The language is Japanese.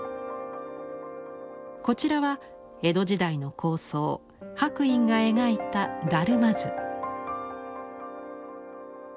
こちらは江戸時代の高僧白隠が描いた達磨図。